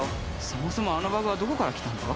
そもそもあのバグはどこから来たんだ？